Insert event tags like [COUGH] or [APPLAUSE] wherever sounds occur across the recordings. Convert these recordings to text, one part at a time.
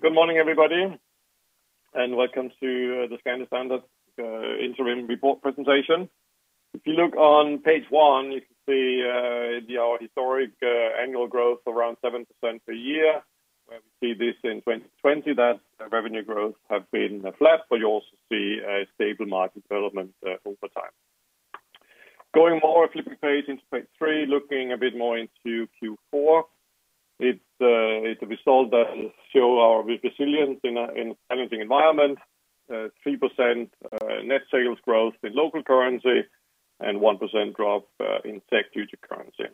Good morning, everybody, and welcome to the Scandi Standard interim report presentation. If you look on page one, you can see our historic annual growth around 7% per year. Where we see this in 2020, that revenue growth have been flat, but you also see a stable market development over time. Going more, flipping page into page three, looking a bit more into Q4, it's a result that show our resilience in a challenging environment. 3% net sales growth in local currency and 1% drop in SEK due to currency.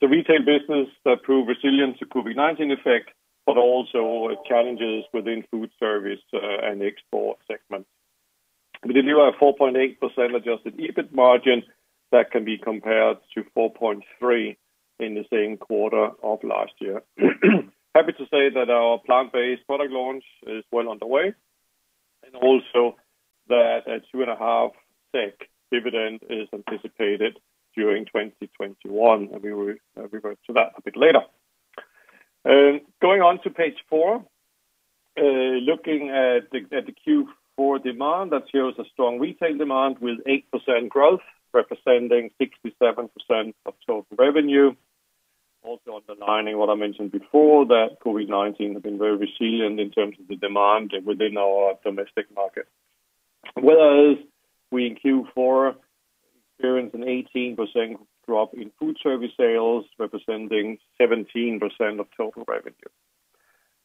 The retail business that proved resilience to COVID-19 effect, but also challenges within food service, and export segment. We deliver a 4.8% adjusted EBIT margin that can be compared to 4.3% in the same quarter of last year. Happy to say that our plant-based product launch is well underway, and also that a 2.5 dividend is anticipated during 2021, and we will revert to that a bit later. Going on to page four, looking at the Q4 demand, that shows a strong retail demand with 8% growth, representing 67% of total revenue. Also underlining what I mentioned before, that COVID-19 have been very resilient in terms of the demand within our domestic market. Whereas we, in Q4, experienced an 18% drop in food service sales, representing 17% of total revenue.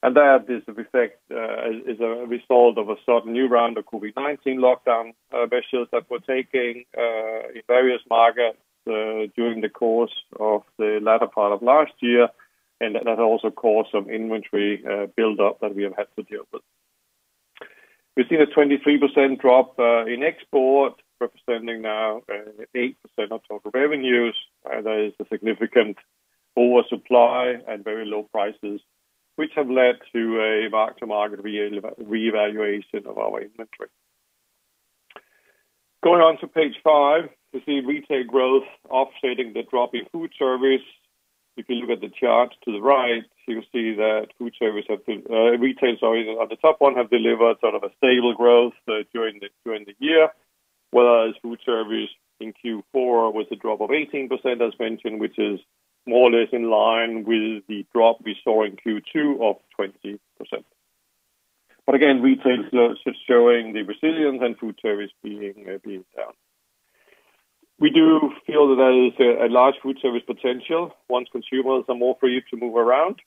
That is a result of a certain new round of COVID-19 lockdown measures that were taking, in various markets during the course of the latter part of last year, and that has also caused some inventory build-up that we have had to deal with. We've seen a 23% drop in export, representing now 8% of total revenues. That is a significant oversupply and very low prices, which have led to a mark-to-market reevaluation of our inventory. Going on to page five, we see retail growth offsetting the drop in food service. If you look at the chart to the right, you can see that Retail, sorry, the top one, have delivered sort of a stable growth during the year, whereas food service in Q4, with a drop of 18%, as mentioned, which is more or less in line with the drop we saw in Q2 of 20%. Again, retail is showing the resilience and food service being down. We do feel that there is a large food service potential once consumers are more free to move around.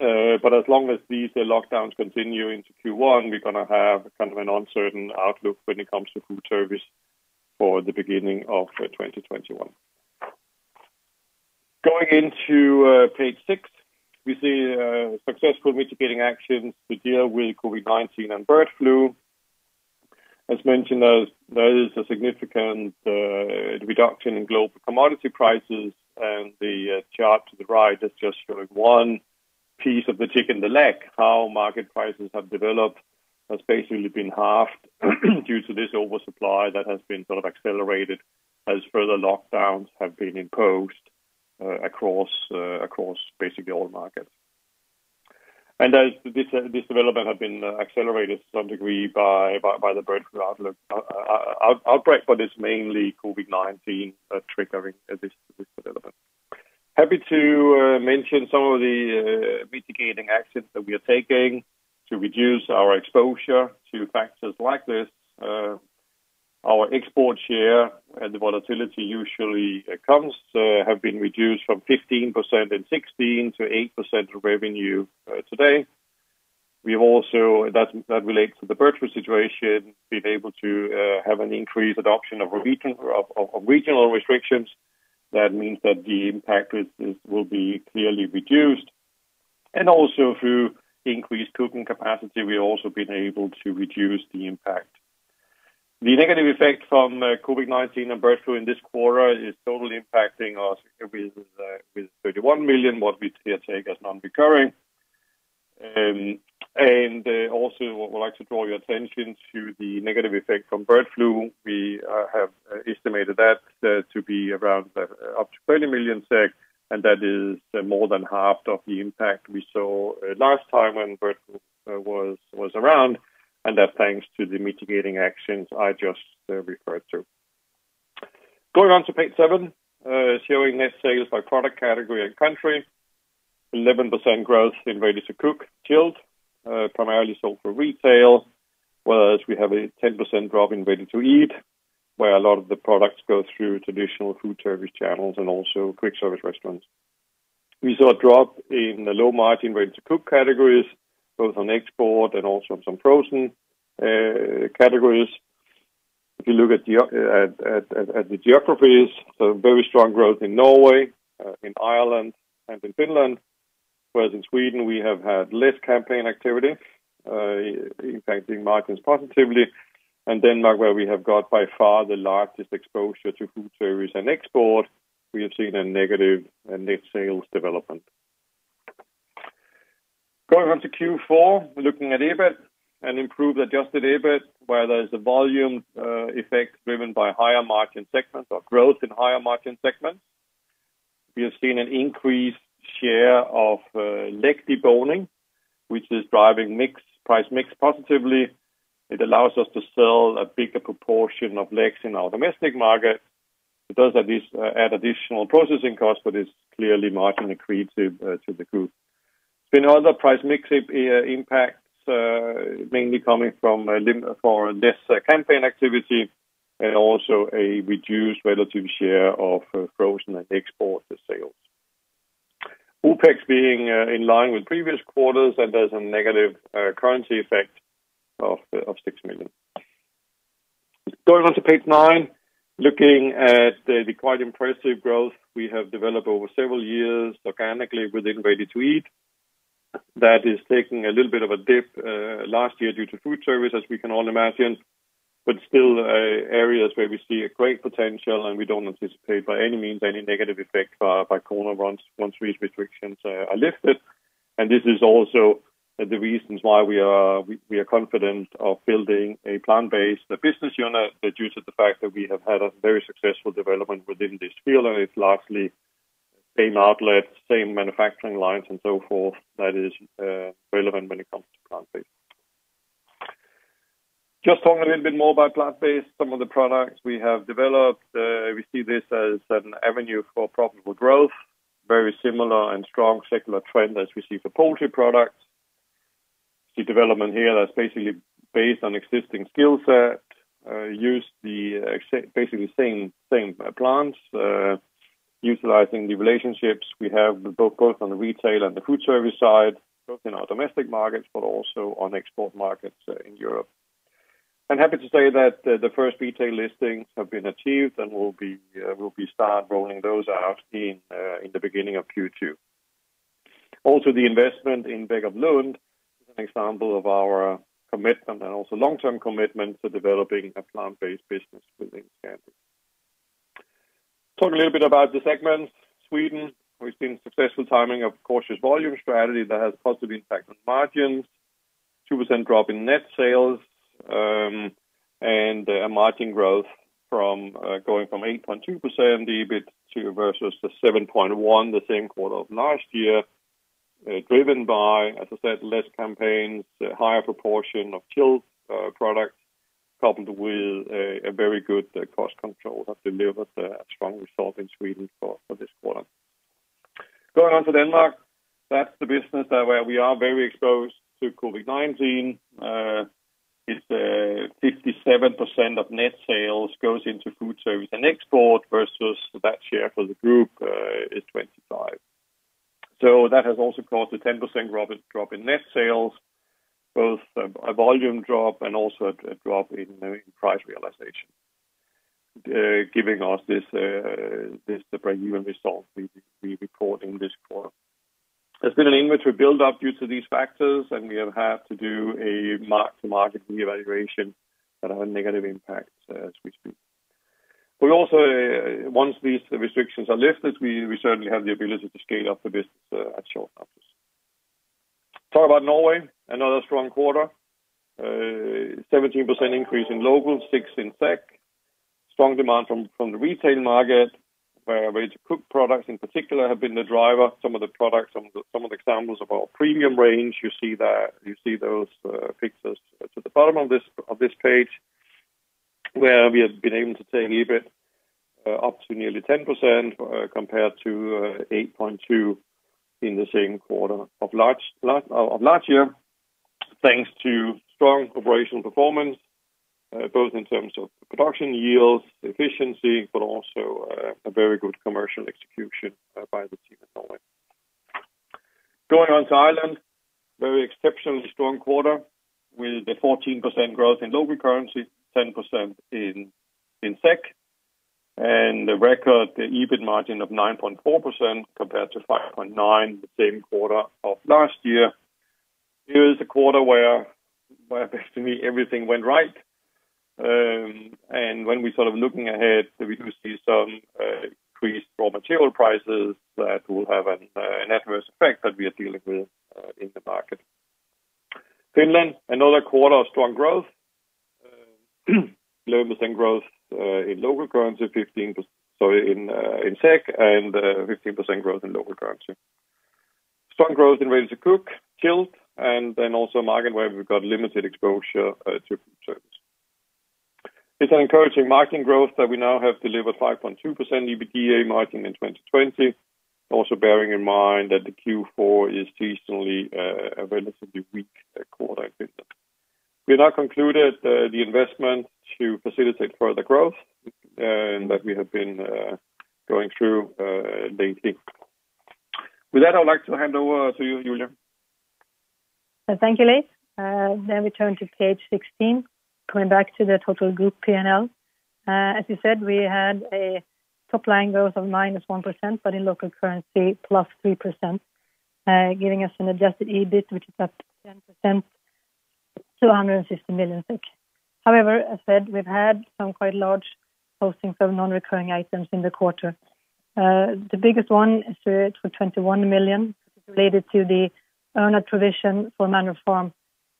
As long as these lockdowns continue into Q1, we're going to have kind of an uncertain outlook when it comes to food service for the beginning of 2021. Going into page six, we see successful mitigating actions to deal with COVID-19 and bird flu. As mentioned, there is a significant reduction in global commodity prices, and the chart to the right has just showed one piece of the chicken leg, how market prices have developed, has basically been halved due to this oversupply that has been sort of accelerated as further lockdowns have been imposed across basically all markets. This development has been accelerated to some degree by the bird flu outlook, outbreak, but it's mainly COVID-19 triggering this development. Happy to mention some of the mitigating actions that we are taking to reduce our exposure to factors like this. Our export share and the volatility have been reduced from 15% in 2016 to 8% of revenue today. We've also, that relates to the bird flu situation, been able to have an increased adoption of regional restrictions. That means that the impact will be clearly reduced. Also through increased cooking capacity, we've also been able to reduce the impact. The negative effect from COVID-19 and bird flu in this quarter is totally impacting of 31 million, what we here take as non-recurring. Also would like to draw your attention to the negative effect from bird flu. We have estimated that to be around up to 20 million SEK, that is more than half of the impact we saw last time when bird flu was around, and that's thanks to the mitigating actions I just referred to. Going on to page seven, showing net sales by product category and country. 11% growth in ready-to-cook chilled, primarily sold for retail. Whereas we have a 10% drop in ready-to-eat, where a lot of the products go through traditional food service channels and also quick service restaurants. We saw a drop in the low margin ready-to-cook categories, both on export and also on some frozen categories. If you look at the geographies, very strong growth in Norway, in Ireland, and in Finland. Whereas in Sweden, we have had less campaign activity, impacting margins positively. Denmark, where we have got by far the largest exposure to food service and export, we have seen a negative net sales development. Going on to Q4, looking at EBIT. Improve the adjusted EBIT, where there's a volume effect driven by higher margin segments or growth in higher margin segments. We have seen an increased share of leg deboning, which is driving price mix positively. It allows us to sell a bigger proportion of legs in our domestic market. It does add additional processing costs. Is clearly margin accretive to the group. There's been other price mix impacts, mainly coming from less campaign activity and also a reduced relative share of frozen and export sales. OpEx being in line with previous quarters. There's a negative currency effect of 6 million. Going on to page nine, looking at the quite impressive growth we have developed over several years organically within ready-to-eat. That is taking a little bit of a dip last year due to food service, as we can all imagine. Still areas where we see a great potential. We don't anticipate, by any means, any negative effect by corona once these restrictions are lifted. This is also the reasons why we are confident of building a plant-based business unit due to the fact that we have had a very successful development within this field. It's largely same outlet, same manufacturing lines and so forth that is relevant when it comes to plant-based. Just talking a little bit more about plant-based, some of the products we have developed, we see this as an avenue for profitable growth, very similar and strong secular trend as we see for poultry products. See development here that's basically based on existing skill set, use basically the same plants, utilizing the relationships we have, both on the retail and the food service side, both in our domestic markets, but also on export markets in Europe. I'm happy to say that the first retail listings have been achieved, and we'll be start rolling those out in the beginning of Q2. Also, the investment in Veg of Lund is an example of our commitment and also long-term commitment to developing a plant-based business within Scandi. Talk a little bit about the segments. Sweden, we've seen successful timing of cautious volume strategy that has a positive impact on margins, 2% drop in net sales, and a margin growth going from 8.2% EBIT versus the 7.1, the same quarter of last year, driven by, as I said, less campaigns, a higher proportion of chilled products, coupled with a very good cost control that delivers a strong result in Sweden for this quarter. Going on to Denmark, that's the business where we are very exposed to COVID-19. It's 57% of net sales goes into food service and export versus that share for the group is 25. That has also caused a 10% drop in net sales, both a volume drop and also a drop in price realization, giving us this breakeven result we report in this quarter. There's been an inventory buildup due to these factors, and we have had to do a mark-to-market reevaluation that had negative impacts as we speak. Once these restrictions are lifted, we certainly have the ability to scale up the business at short notice. Talk about Norway, another strong quarter. 17% increase in local, six in SEK. Strong demand from the retail market, where ready-to-cook products in particular have been the driver. Some of the products, some of the examples of our premium range, you see those pictures to the bottom of this page, where we have been able to take EBIT up to nearly 10% compared to 8.2 in the same quarter of last year, thanks to strong operational performance, both in terms of production yields, efficiency, but also a very good commercial execution by the team in Norway. Going on to Ireland, very exceptionally strong quarter with a 14% growth in local currency, 10% in SEK, and the record EBIT margin of 9.4% compared to 5.9% the same quarter of last year. It was a quarter where basically everything went right. When we sort of looking ahead, we do see some increased raw material prices that will have an adverse effect that we are dealing with in the market. Finland, another quarter of strong growth. 11% growth in SEK, and 15% growth in local currency. Strong growth in ready-to-cook, chilled, and then also a market where we've got limited exposure to food service. It's an encouraging margin growth that we now have delivered 5.2% EBITDA margin in 2020. Also bearing in mind that the Q4 is seasonally a relatively weak quarter in Finland. We have now concluded the investment to facilitate further growth, and that we have been going through lately. With that, I would like to hand over to you, Julia. Thank you, Leif. We turn to page 16. Going back to the total group P&L. As you said, we had a top-line growth of -1%, but in local currency +3%, giving us an adjusted EBIT, which is up 10%, 260 million. As said, we've had some quite large postings of non-recurring items in the quarter. The biggest one is 21 million related to the earnout provision for Manor Farm.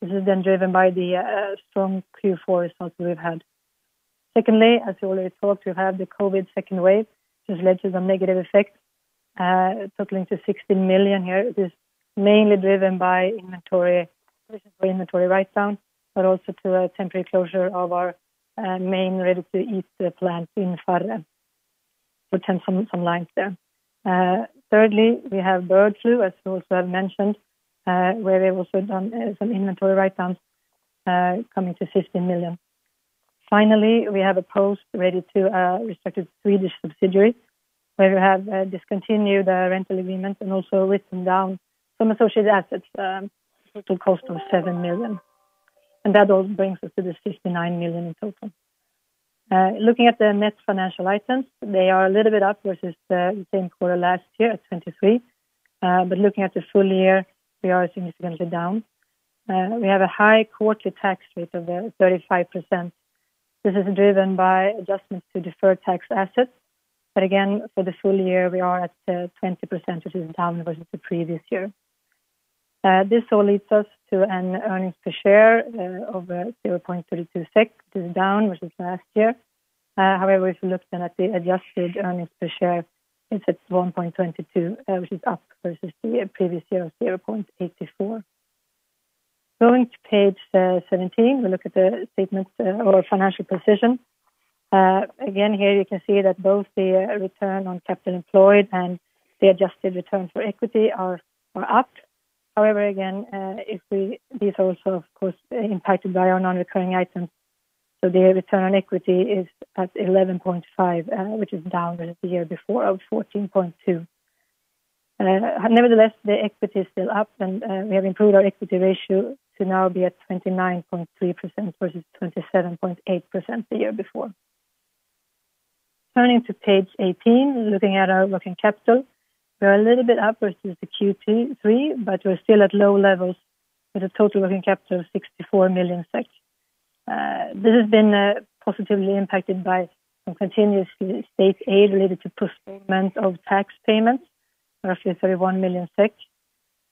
This is driven by the strong Q4 results we've had. Secondly, as we already talked, we have the COVID-19 second wave, which led to some negative effects totaling to 16 million here. This is mainly driven by inventory write-down, but also to a temporary closure of our main ready-to-eat plant in Farre. [AUDIO DISTORTION] We'll tend some lines there. We have bird flu, as also I've mentioned, where we have also done some inventory write-downs coming to 15 million. We have a post related to our respective Swedish subsidiary, where we have discontinued rental agreements and also written down some associated assets at a total cost of 7 million. That all brings us to this 59 million in total. Looking at the net financial items, they are a little bit up versus the same quarter last year at 23 million. Looking at the full year, we are significantly down. We have a high quarterly tax rate of 35%. This is driven by adjustments to deferred tax assets. Again, for the full year, we are at 20%, which is down versus the previous year. This all leads us to an earnings per share of 0.32, this is down versus last year. If you look then at the adjusted earnings per share, it's at 1.22, which is up versus the previous year of 0.84. Going to page 17, we look at the statements or financial position. Again, here you can see that both the return on capital employed and the adjusted return for equity are up. Again, these are also of course impacted by our non-recurring items. The return on equity is at 11.5, which is down versus the year before of 14.2. Nevertheless, the equity is still up, and we have improved our equity ratio to now be at 29.3% versus 27.8% the year before. Turning to page 18, looking at our working capital. We are a little bit up versus the Q3, but we're still at low levels with a total working capital of 64 million. This has been positively impacted by some continuous state aid related to postponement of tax payments of roughly 31 million SEK.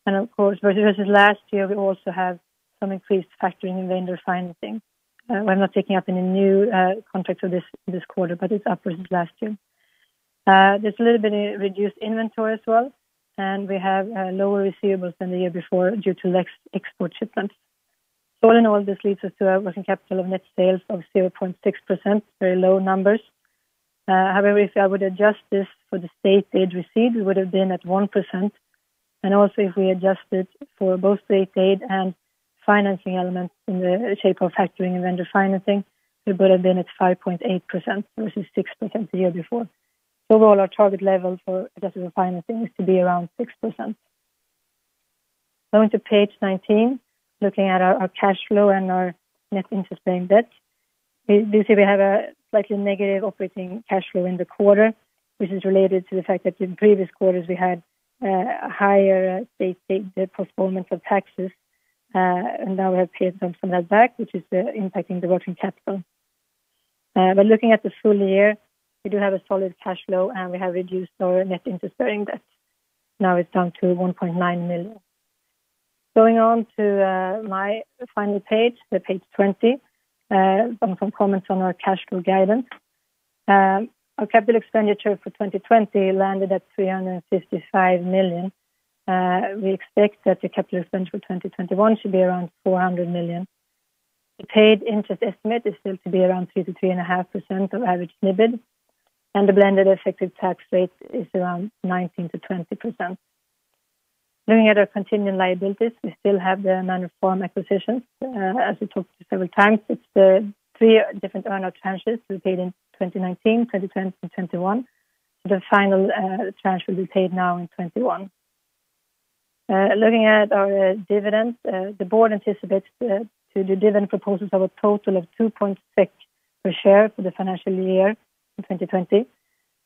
Of course, versus last year, we also have some increased factoring and vendor financing. We're not taking up any new contracts for this quarter, but it's up versus last year. There's a little bit of reduced inventory as well, and we have lower receivables than the year before due to less export shipments. All in all, this leads us to a working capital of net sales of 0.6%, very low numbers. However, if I were to adjust this for the state aid received, we would have been at 1%. Also, if we adjusted for both state aid and financing elements in the shape of factoring and vendor financing, we would have been at 5.8% versus 6% the year before. Overall, our target level for adjusted financing is to be around 6%. Going to page 19, looking at our cash flow and our Net Interest-Bearing Debt. You see we have a slightly negative operating cash flow in the quarter, which is related to the fact that in previous quarters we had a higher state aid, the postponement of taxes, and now we have paid some of that back, which is impacting the working capital. Looking at the full year, we do have a solid cash flow, and we have reduced our Net Interest-Bearing Debt. Now it's down to 1.9 million. Going on to my final page 20. Some comments on our cash flow guidance. Our capital expenditure for 2020 landed at 355 million. We expect that the capital expense for 2021 should be around 400 million. The paid interest estimate is still to be around 3%-3.5% of average NIBD, and the blended effective tax rate is around 19%-20%. Looking at our continuing liabilities, we still have the Manor Farm acquisition. As we talked several times, it's the three different earnout tranches to be paid in 2019, 2020, and 2021. The final tranche will be paid now in 2021. Looking at our dividends, the board anticipates to do dividend proposals of a total of 2.6 per share for the financial year in 2020,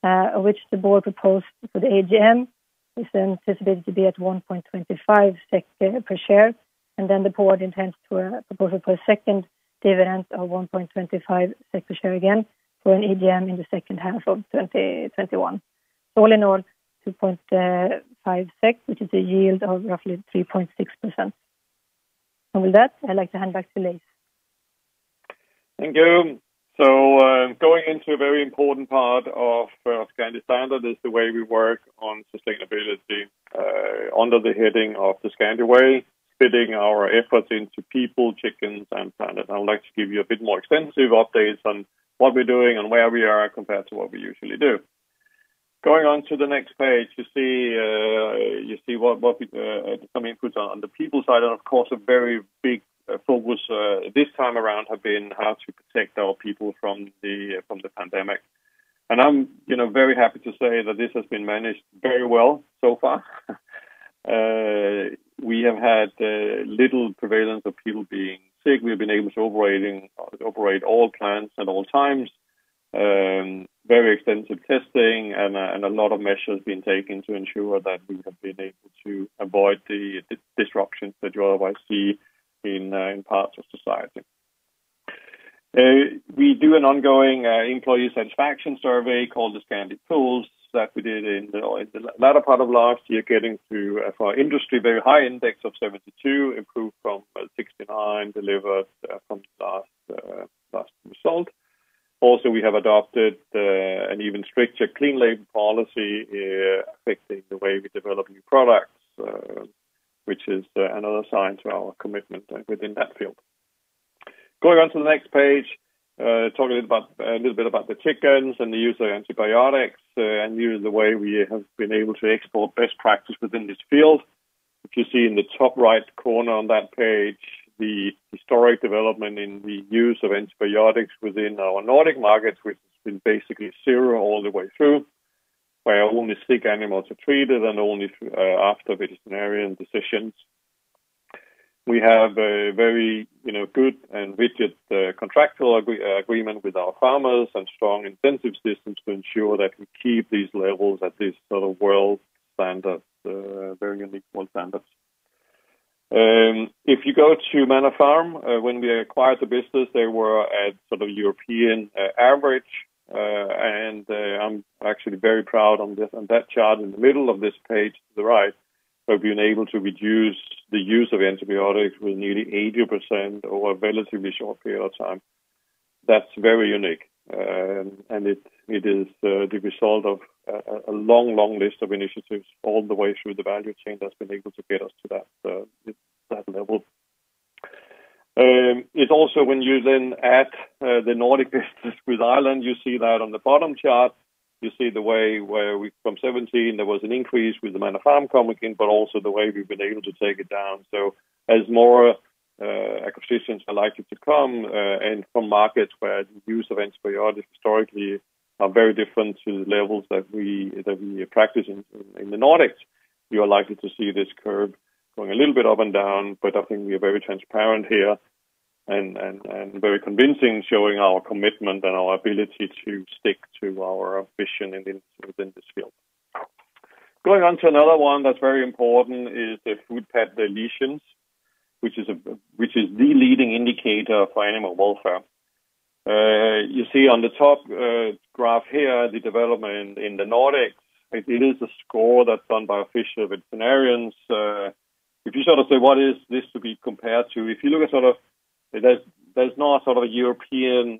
of which the board proposed for the AGM is anticipated to be at 1.25 SEK per share. The board intends to propose it for a second dividend of 1.25 SEK per share again for an EGM in the second half of 2021. All in all, 2.5, which is a yield of roughly 3.6%. With that, I'd like to hand back to Leif. Thank you. Going into a very important part of Scandi Standard is the way we work on sustainability under the heading of The Scandi Way, fitting our efforts into people, chickens, and planet. I would like to give you a bit more extensive updates on what we're doing and where we are compared to what we usually do. Going on to the next page, you see some inputs on the people side, and of course, a very big focus this time around has been how to protect our people from the pandemic. I'm very happy to say that this has been managed very well so far. We have had little prevalence of people being sick. We've been able to operate all plants at all times. Very extensive testing and a lot of measures being taken to ensure that we have been able to avoid the disruptions that you otherwise see in parts of society. We do an ongoing employee satisfaction survey called the Scandi Pulse, that we did in the latter part of last year, getting to, for our industry, a very high index of 72, improved from 69 delivered from last result. Also, we have adopted an even stricter clean label policy affecting the way we develop new products, which is another sign to our commitment within that field. Going on to the next page, talking a little bit about the chickens and the use of antibiotics, and the way we have been able to export best practice within this field. If you see in the top right corner on that page, the historic development in the use of antibiotics within our Nordic markets, which has been basically zero all the way through, where only sick animals are treated, and only after veterinarian decisions. We have a very good and rigid contractual agreement with our farmers and strong incentive systems to ensure that we keep these levels at this world standard, very unique world standards. If you go to Manor Farm, when we acquired the business, they were at European average. I'm actually very proud on that chart in the middle of this page to the right, of being able to reduce the use of antibiotics with nearly 80% over a relatively short period of time. That's very unique. It is the result of a long list of initiatives all the way through the value chain that's been able to get us to that level. It's also when you then add the Nordic business with Ireland, you see that on the bottom chart, you see the way where from 2017, there was an increase with the Manor Farm coming in, but also the way we've been able to take it down. As more acquisitions are likely to come, and from markets where the use of antibiotics historically are very different to the levels that we practice in the Nordics, you are likely to see this curve going a little bit up and down. I think we are very transparent here and very convincing, showing our commitment and our ability to stick to our vision within this field. Going on to another one that's very important is the foot pad lesions, which is the leading indicator for animal welfare. You see on the top graph here, the development in the Nordics. It is a score that's done by official veterinarians. If you sort of say, what is this to be compared to? There's no European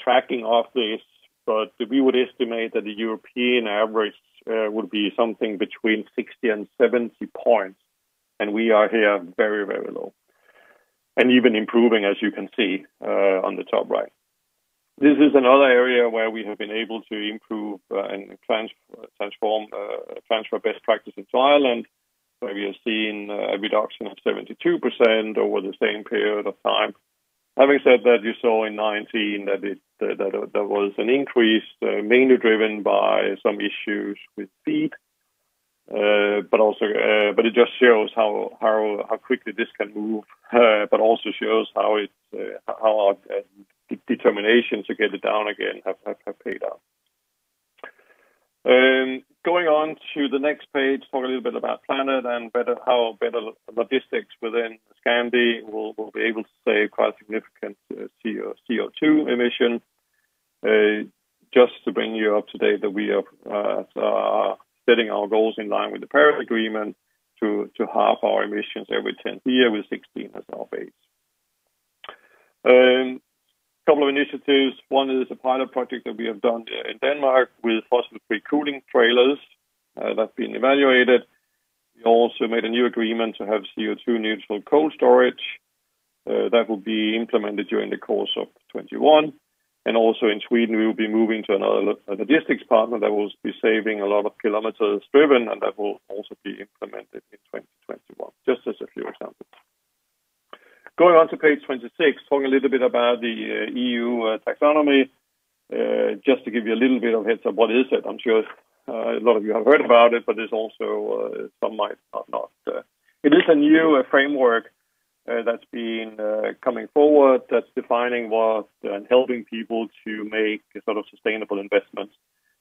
tracking of this, but we would estimate that the European average would be something between 60 and 70 points. We are here very low. Even improving, as you can see on the top right. This is another area where we have been able to improve and transform best practice into Ireland, where we have seen a reduction of 72% over the same period of time. Having said that, you saw in 2019 that there was an increase, mainly driven by some issues with feed. It just shows how quickly this can move, but also shows how our determination to get it down again have paid off. Going on to the next page, talk a little bit about planet and how better logistics within Scandi will be able to save quite significant CO2 emission. Just to bring you up to date that we are setting our goals in line with the Paris Agreement to halve our emissions every 10 years, with 2016 as our base. A couple of initiatives. One is a pilot project that we have done here in Denmark with fossil-free cooling trailers that's been evaluated. We also made a new agreement to have CO2 neutral cold storage that will be implemented during the course of 2021. Also in Sweden, we will be moving to another logistics partner that will be saving a lot of kilometers driven, and that will also be implemented in 2021, just as a few examples. Going on to page 26, talking a little bit about the EU taxonomy. Just to give you a little bit of heads up what is it. I'm sure a lot of you have heard about it, but some might not. It is a new framework that's been coming forward that's defining what and helping people to make sustainable investments.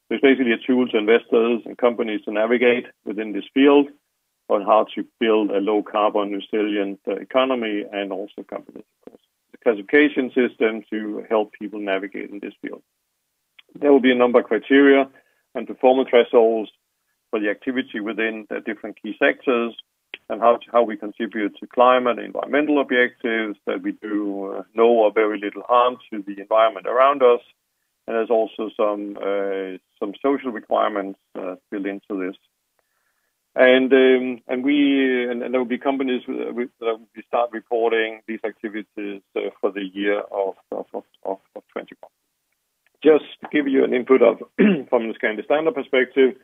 It's basically a tool to investors and companies to navigate within this field on how to build a low carbon resilient economy and also companies, of course. A classification system to help people navigate in this field. There will be a number of criteria and performance thresholds for the activity within the different key sectors and how we contribute to climate, environmental objectives, that we do no or very little harm to the environment around us. There's also some social requirements built into this. There will be companies that will be start reporting these activities for the year of 2021. Just to give you an input up from the Scandi Standard perspective,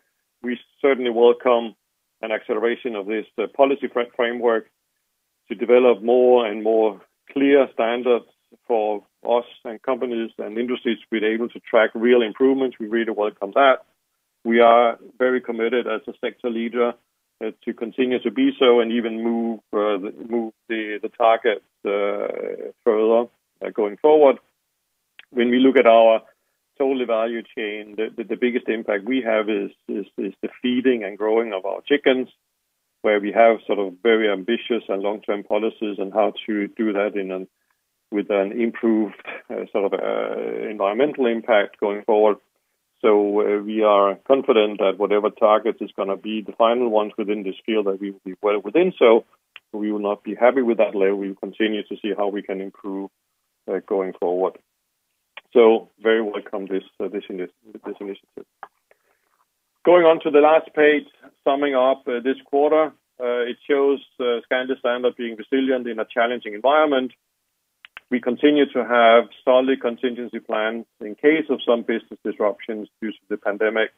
we certainly welcome an acceleration of this policy framework to develop more and more clear standards for us and companies and industries to be able to track real improvements. We really welcome that. We are very committed as a sector leader to continue to be so and even move the targets further going forward. When we look at our total value chain, the biggest impact we have is the feeding and growing of our chickens, where we have very ambitious and long-term policies on how to do that with an improved environmental impact going forward. We are confident that whatever targets is going to be the final ones within this field, that we will be well within. We will not be happy with that level. We will continue to see how we can improve going forward. We very welcome this initiative. Going on to the last page, summing up this quarter, it shows Scandi Standard being resilient in a challenging environment. We continue to have solid contingency plans in case of some business disruptions due to the pandemic.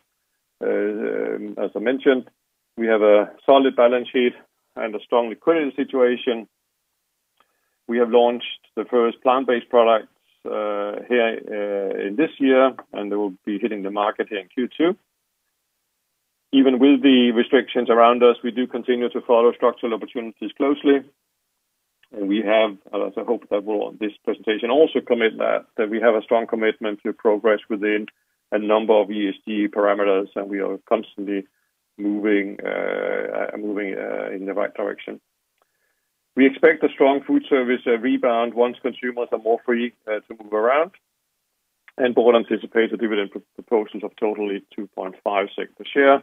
As I mentioned, we have a solid balance sheet and a strong liquidity situation. We have launched the first plant-based products here in this year. They will be hitting the market here in Q2. Even with the restrictions around us, we do continue to follow structural opportunities closely. We have, as I hope that will on this presentation, also commit that we have a strong commitment to progress within a number of ESG parameters, and we are constantly moving in the right direction. We expect a strong food service rebound once consumers are more free to move around. Board anticipates a dividend proportion of totally 2.5 SEK share,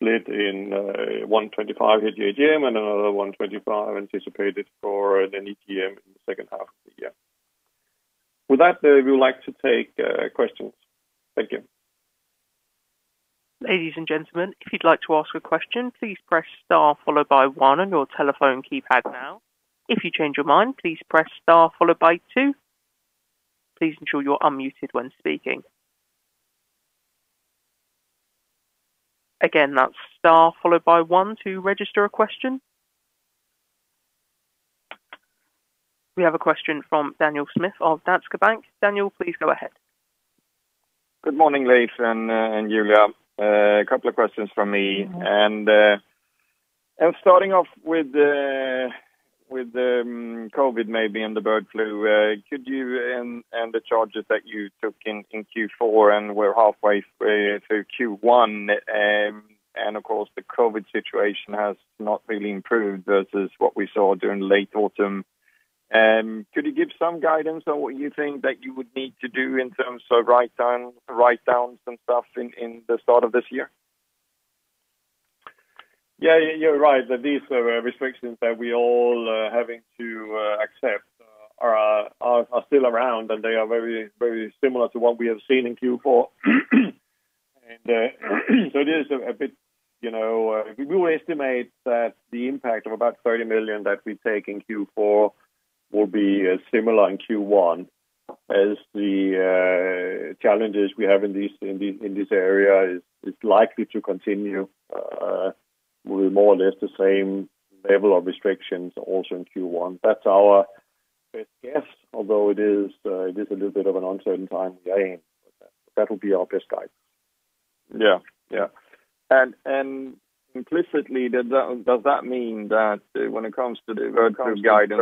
split in 1.25 at the AGM and another SEK 1.25 anticipated for an EGM in the second half of the year. With that, we would like to take questions. Thank you. We have a question from Daniel Schmidt of Danske Bank. Daniel, please go ahead. Good morning, Leif and Julia. A couple of questions from me. Starting off with the COVID maybe and the bird flu, and the charges that you took in Q4 and we're halfway through Q1, and of course, the COVID situation has not really improved versus what we saw during late autumn. Could you give some guidance on what you think that you would need to do in terms of writedowns and stuff in the start of this year? Yeah, you're right. These restrictions that we all are having to accept are still around, and they are very similar to what we have seen in Q4. We will estimate that the impact of about 30 million that we take in Q4 will be similar in Q1, as the challenges we have in this area is likely to continue with more or less the same level of restrictions also in Q1. That's our best guess, although it is a little bit of an uncertain time again. That'll be our best guide. Yeah. Implicitly, does that mean that when it comes to the bird flu guidance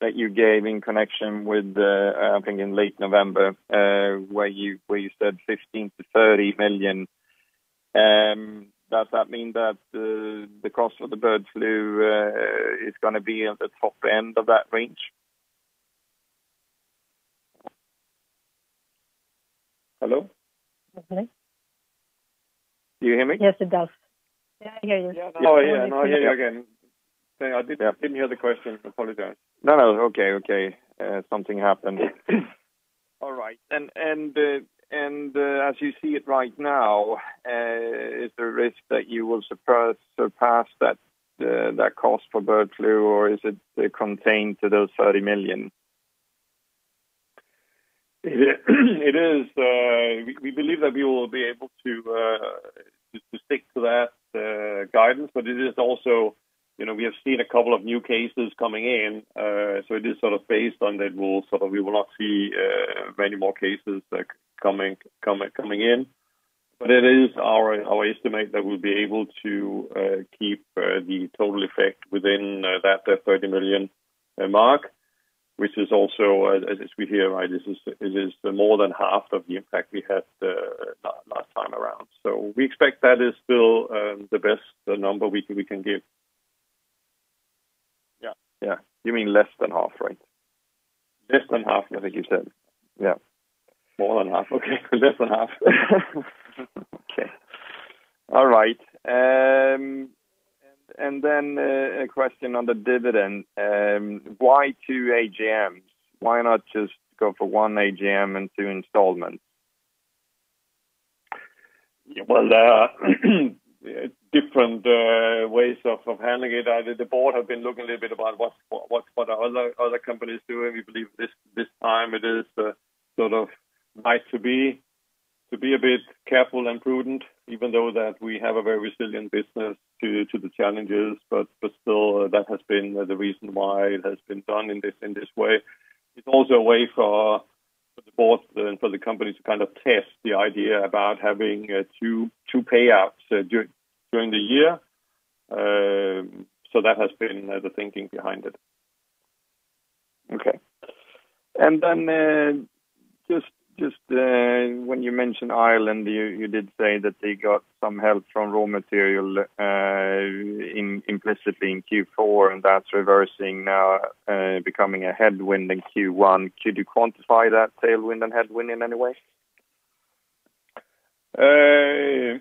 that you gave in connection with, I think in late November, where you said 15 million-30 million, does that mean that the cost for the bird flu is going to be at the top end of that range? Hello? Okay. Do you hear me? Yes, it does. Yeah, I hear you. Oh, yeah. Now I hear you again. I didn't hear the question. I apologize. No, okay. Something happened. All right. As you see it right now, is there a risk that you will surpass that cost for bird flu, or is it contained to those 30 million? We believe that we will be able to stick to that guidance. We have seen a couple of new cases coming in, so it is based on that we will not see many more cases coming in. It is our estimate that we'll be able to keep the total effect within that 30 million mark, which is also, as we hear, this is more than half of the impact we had last time around. We expect that is still the best number we can give. Yeah. Yeah. You mean less than half, right? Less than half, I think you said. Yeah. More than half. Okay. Less than half. Okay. All right. A question on the dividend. Why two AGMs? Why not just go for one AGM and two installments? Yeah. Well, different ways of handling it. The board have been looking a little bit about what the other company is doing. We believe this time it is nice to be a bit careful and prudent, even though that we have a very resilient business to the challenges, but still that has been the reason why it has been done in this way. It's also a way for the board and for the company to kind of test the idea about having two payouts during the year. That has been the thinking behind it. Okay. Just when you mentioned Ireland, you did say that they got some help from raw material implicitly in Q4, and that is reversing now, becoming a headwind in Q1. Could you quantify that tailwind and headwind in any way? It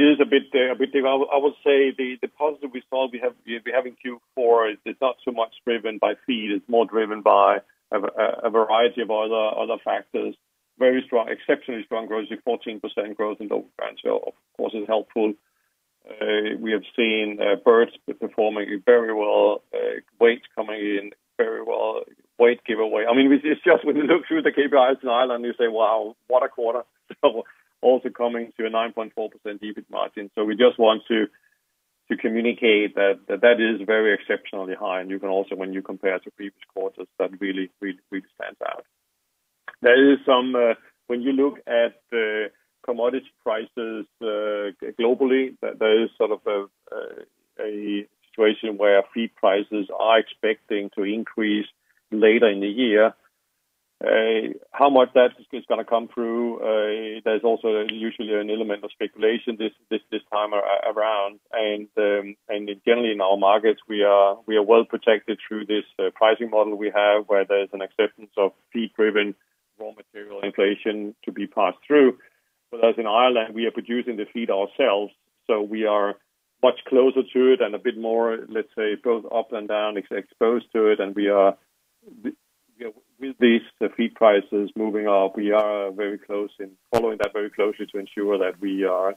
is a bit developed. I would say the positive we saw, we have in Q4, it's not so much driven by feed, it's more driven by a variety of other factors. Exceptionally strong growth, 14% growth in the branch, of course, is helpful. We have seen birds performing very well, weight coming in very well. Weight giveaway. It's just when you look through the KPIs in Ireland, you say, "Wow, what a quarter." Also coming to a 9.4% EBIT margin. We just want to communicate that is very exceptionally high, and you can also, when you compare to previous quarters, that really stands out. When you look at the commodity prices globally, there is sort of a situation where feed prices are expecting to increase later in the year. How much that is going to come through, there's also usually an element of speculation this time around. Generally, in our markets, we are well protected through this pricing model we have, where there's an acceptance of feed-driven raw material inflation to be passed through. Whereas in Ireland, we are producing the feed ourselves, so we are much closer to it and a bit more, let's say, both up and down, exposed to it, and with these feed prices moving up, we are following that very closely to ensure that we are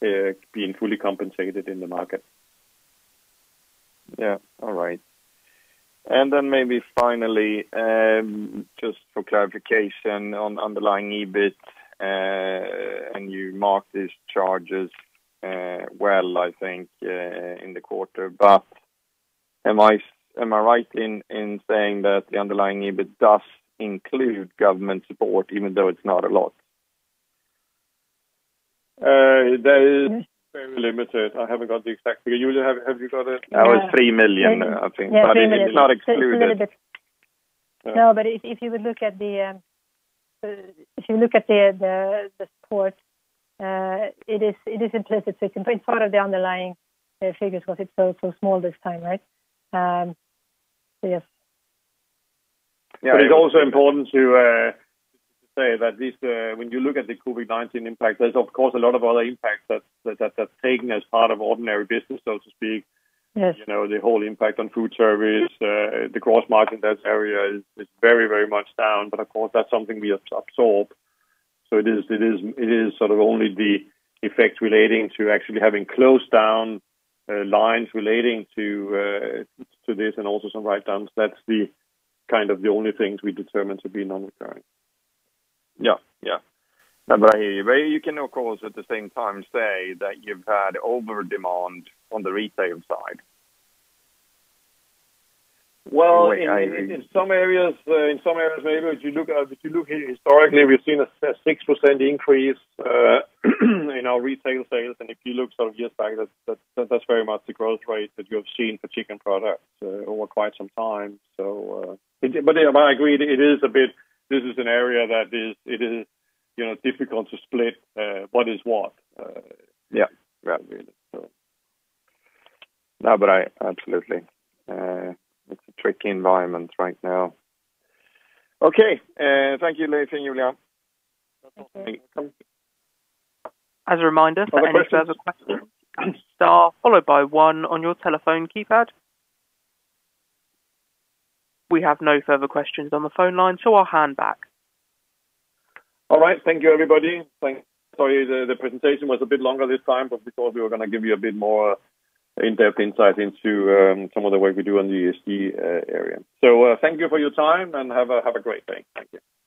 being fully compensated in the market. Yeah. All right. Then maybe finally, just for clarification on underlying EBIT, and you marked these charges well, I think, in the quarter. Am I right in saying that the underlying EBIT does include government support, even though it's not a lot? That is very limited. I haven't got the exact figure. Julia, have you got it? That was three million, I think. It is not excluded. No, if you look at the support, it is implicit. It's part of the underlying figures because it's so small this time, right? Yes. It's also important to say that when you look at the COVID-19 impact, there's of course, a lot of other impacts that's taken as part of ordinary business, so to speak. Yes. The whole impact on food service, the gross margin, that area is very much down. Of course, that's something we absorb. It is sort of only the effect relating to actually having closed down lines relating to this and also some write-downs. That's kind of the only things we determine to be non-recurring. Yeah. No, you can, of course, at the same time say that you've had over-demand on the retail side. Well, in some areas maybe. If you look historically, we've seen a 6% increase in our retail sales. If you look sort of years back, that's very much the growth rate that you have seen for chicken products over quite some time. I agree, this is an area that it is difficult to split what is what. Yeah. Right. No, but absolutely. It's a tricky environment right now. Okay. Thank you, Leif and Julia. Okay. As a reminder, for any further questions, star followed by one on your telephone keypad. We have no further questions on the phone line, I'll hand back. All right. Thank you, everybody. Sorry the presentation was a bit longer this time, because we were going to give you a bit more in-depth insight into some of the work we do on the ESG area. Thank you for your time, and have a great day. Thank you.